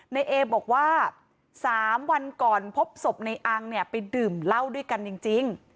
นายเอบอกว่า๓วันก่อนพบศพนายอังไปดื่มเหล้าด้วยกันจริง